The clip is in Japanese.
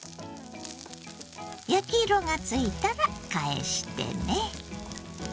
焼き色がついたら返してね。